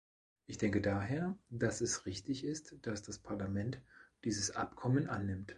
Ich denke daher, dass es richtig ist, dass das Parlament dieses Abkommen annimmt.